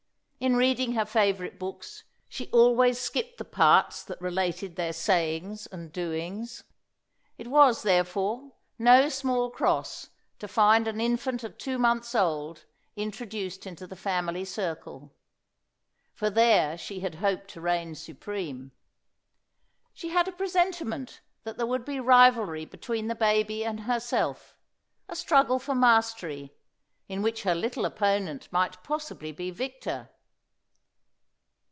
In reading her favourite books she always skipped the parts that related their sayings and doings. It was, therefore, no small cross to find an infant of two months old introduced into the family circle. For there she had hoped to reign supreme. She had a presentiment that there would be rivalry between the baby and herself a struggle for mastery, in which her little opponent might possibly be victor.